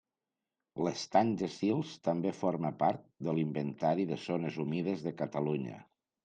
L'Estany de Sils també forma part de l'Inventari de zones humides de Catalunya.